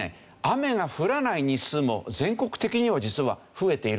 雨が降らない日数も全国的には実は増えているんですよ。